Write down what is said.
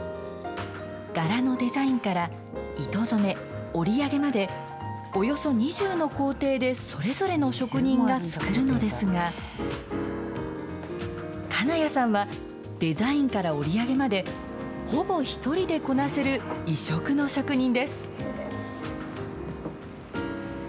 柄のデザインから糸染め、織り上げまで、およそ２０の工程でそれぞれの職人が作るのですが、金谷さんは、デザインから織り上げまで、ほぼ１人でこなせる、異色の職人です。